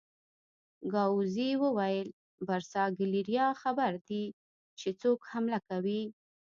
ګاووزي وویل: برساګلیریا خبر دي چې څوک حمله کوي؟